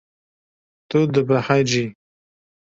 Tu dibehecî.